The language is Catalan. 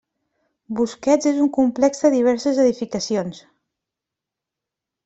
Busquets és un complex de diverses edificacions.